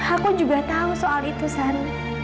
aku juga tahu soal itu san